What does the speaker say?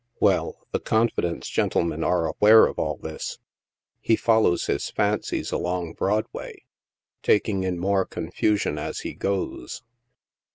Well, the confidence gentlemen are aware of all this. He follows his fancies along Broadway, taking in more confusion as he goes.